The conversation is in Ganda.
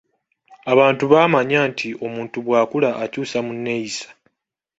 Abantu bamanya nti omuntu bw’akula akyusa mu nneeyisa.